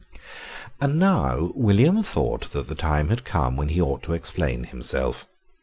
And now William thought that the time had come when he ought to explain himself.